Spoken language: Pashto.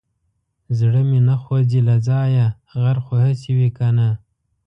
زړه مې نه خوځي له ځايه غر خو هسې وي کنه.